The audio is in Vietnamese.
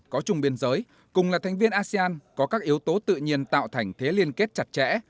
có chung biên giới cùng là thành viên asean có các yếu tố tự nhiên tạo thành thế liên kết chặt chẽ